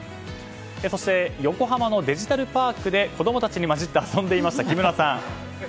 そして横浜のデジタルパークで子供たちに交じって遊んでいました木村さん。